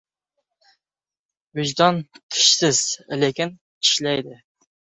• Vijdon tishsiz, lekin tishlaydi.